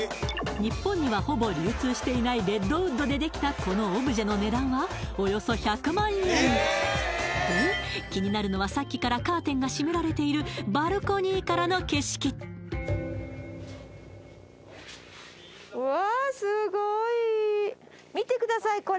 日本にはほぼ流通していないレッドウッドでできたこのオブジェの値段はおよそ１００万円で気になるのはさっきからカーテンが閉められているバルコニーからの景色見てください